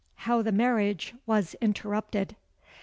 How the Marriage was interrupted.